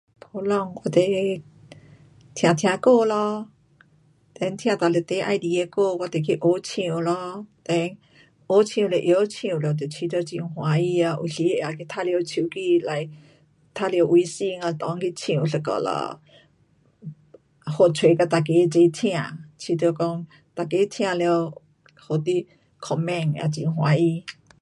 普通我就，听听歌咯，then 听哪一首喜欢的歌我就去学唱咯。then 学唱了会晓唱了就觉得很欢喜咯。有时也去玩耍手机 like 玩耍 wesing 啊,内去唱一下了，发出给每个齐听，觉得讲每个听了，给你 comment 也很欢喜。